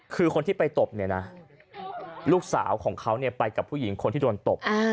คือคนที่ไปตบเนี่ยนะลูกสาวของเขาไปกับผู้หญิงคนที่โดนตบ